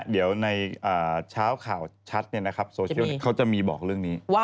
เดี๋ยวในเช้าข่าวชัดโซเชียลเขาจะมีบอกเรื่องนี้